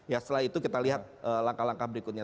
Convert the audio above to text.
ya setelah itu kita lihat langkah langkah berikutnya